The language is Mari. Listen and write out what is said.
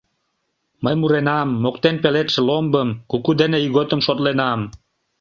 Мый муренам, моктен пеледше ломбым, Куку дене ийготым шотленам.